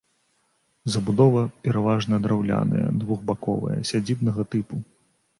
Забудова пераважна драўляная, двухбаковая, сядзібнага тыпу.